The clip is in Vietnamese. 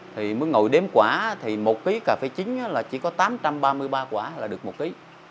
thì mới ngồi đếm quả thì một ký cà phê chín là chỉ có tám trăm ba mươi ba quả là được một ký